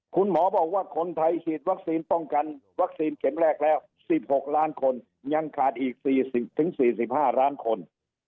คุณหมอบอกว่าคนไทยฉีดวัคซีนป้องกันวัคซีนเข็มแรกแล้ว๑๖ล้านคนยังขาดอีก๔๐๔๕ล้านคน